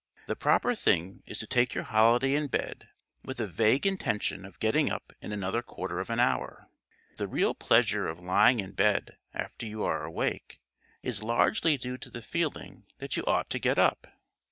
The proper thing is to take your holiday in bed with a vague intention of getting up in another quarter of an hour. The real pleasure of lying in bed after you are awake is largely due to the feeling that you ought to get up.